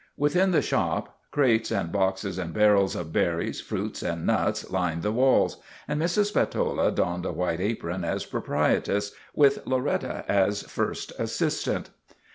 Within the shop crates and boxes and barrels of berries, fruits, and nuts lined the walls, and Mrs. Spatola donned a white apron as proprie tress, with Loretta as first assistant.